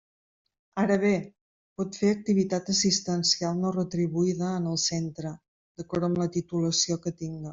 Ara bé, pot fer activitat assistencial no retribuïda en el centre, d'acord amb la titulació que tinga.